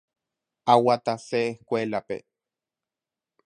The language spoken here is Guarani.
Aguatase escuelape.